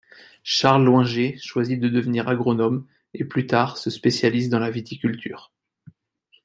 Charles Loinger choisit de devenir agronome, et plus tard se spécialise dans la viticulture.